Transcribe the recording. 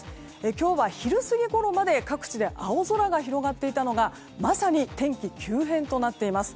今日は昼過ぎごろまで各地で青空が広がっていたのがまさに天気急変となっています。